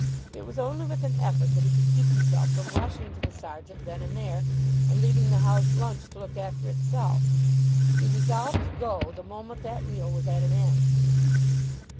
It was only with an effort that he could keep himself from rushing to the sergeant then and there, and leaving the house lunch to look after itself. He resolved to go the moment that meal was at an end.